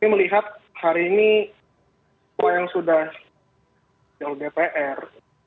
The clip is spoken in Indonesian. saya melihat hari ini semua yang sudah jauh dpr